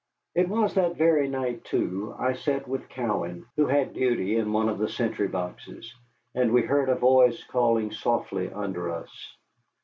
It was that very night, too, I sat with Cowan, who had duty in one of the sentry boxes, and we heard a voice calling softly under us.